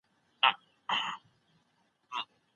علامه رشاد د تاریخ له مخې د کندهار ارزښت روښانه کړی دی.